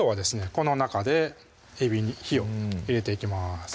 この中でえびに火を入れていきます